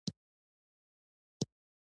پراخ ذهن د تنگ نظرۍ ضد دی.